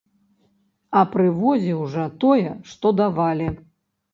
А прывозіў жа, тое, што давалі.